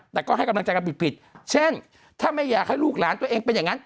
แต่ก็ให้กำลังใจกันผิดเช่นถ้าไม่อยากให้ลูกหลานตัวเองเป็นอย่างนั้น